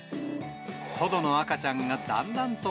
トドの赤ちゃんがだんだんと